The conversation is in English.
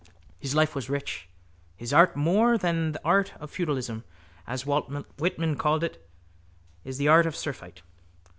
His life was rich. His art, more than the art of feudalism as Walt Whitman called it, is the art of surfeit.